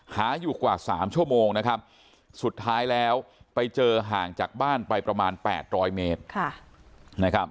หาอยู่กว่าสามชั่วโมงนะครับสุดท้ายแล้วไปเจอห่างจากบ้านไปประมาณแปดร้อยเมตร